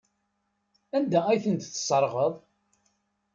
Anda ay ten-tesserɣeḍ?